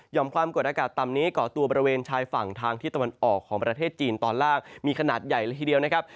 ความกดอากาศต่ำนี้ก่อตัวบริเวณชายฝั่งทางที่ตะวันออกของประเทศจีนตอนล่างมีขนาดใหญ่เลยทีเดียวนะครับ